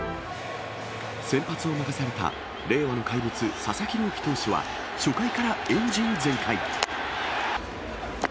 先発を任された令和の怪物、佐々木朗希投手は、初回からエンジン全開。